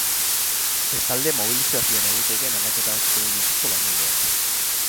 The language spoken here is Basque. Bestalde, mobilizazioen egutegian aldaketa batzuk egin dituzte langileek.